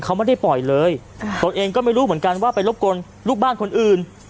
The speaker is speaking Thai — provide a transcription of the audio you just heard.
เขาไม่ได้ปล่อยเลยตนเองก็ไม่รู้เหมือนกันว่าไปรบกวนลูกบ้านคนอื่น